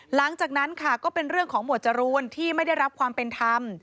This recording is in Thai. หลังจากนั้นค่ะก็เป็นเรื่องของหมวดจรูนที่ไม่ได้รับความเป็นธรรม